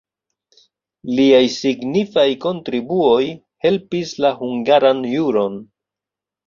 Liaj signifaj kontribuoj helpis la hungaran juron.